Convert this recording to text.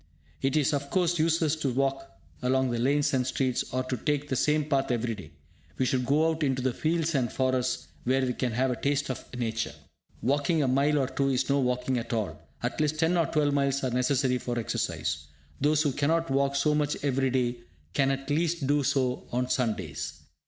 It is, of course, useless to walk along lanes and streets, or to take the same path every day. We should go out into the fields and forests where we can have a taste of Nature. Walking a mile or two is no walking at all; at least ten or twelve miles are necessary for exercise. Those who cannot walk so much every day can at least do so on Sundays.